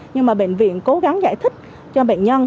nhưng mà bệnh viện cố gắng giải thích cho bệnh nhân